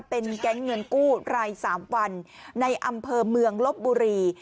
เป็นแก๊งเงินกู้ราย๓วันในอำเภอเมืองลบบุรี